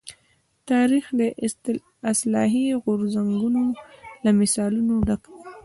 تاریخ د اصلاحي غورځنګونو له مثالونو ډک دی.